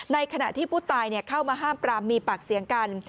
ขณะที่ผู้ตายเข้ามาห้ามปรามมีปากเสียงกัน